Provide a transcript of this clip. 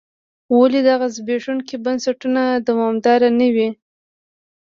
ولې دغه زبېښونکي بنسټونه دوامداره نه وي.